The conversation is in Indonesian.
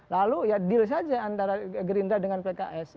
lalu ya deal saja antara gerindra dengan pks